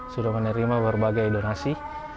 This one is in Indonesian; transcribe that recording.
sudah menerima berbagai donasi